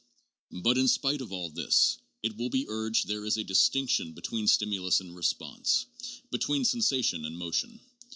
But, in spite of all this, it will be urged, there is a distinction between stimulus and response, between sensation and motion.